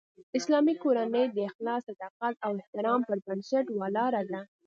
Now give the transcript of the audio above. اسلامي کورنۍ د اخلاص، صداقت او احترام پر بنسټ ولاړه ده